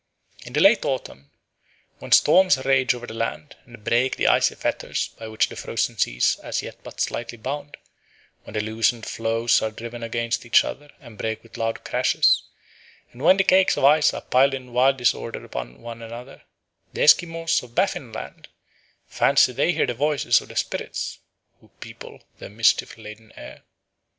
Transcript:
In late autumn, when storms rage over the land and break the icy fetters by which the frozen sea is as yet but slightly bound, when the loosened floes are driven against each other and break with loud crashes, and when the cakes of ice are piled in wild disorder one upon another, the Esquimaux of Baffin Land fancy they hear the voices of the spirits who people the mischief laden air.